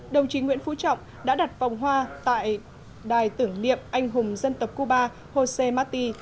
đồng chí nguyễn phú trọng đã đặt vòng hoa tại đài tưởng niệm anh hùng dân tập cuba josé mati